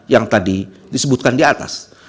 yang tadi disebutkan di atas